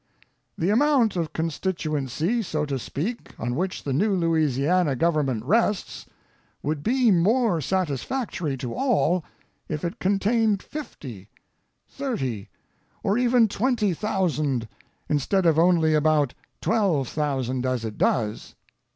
The amount of constituency, so to speak, on which the new Louisiana government rests, would be more satisfactory to all, if it contained fifty, thirty, or even twenty thousand, instead of only about twelve thousand, as it does.